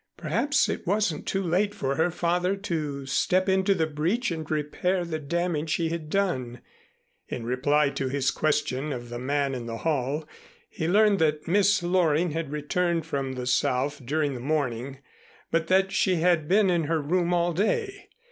Perhaps it wasn't too late for her father to step into the breach and repair the damage he had done. In reply to his question of the man in the hall, he learned that Miss Loring had returned from the South during the morning, but that she had been in her room all day.